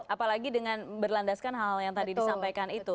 apalagi dengan berlandaskan hal hal yang tadi disampaikan itu